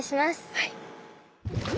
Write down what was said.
はい。